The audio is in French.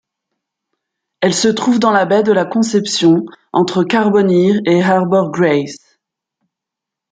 Elle se trouve dans la baie de la Conception entre Carbonear et Harbour Grace.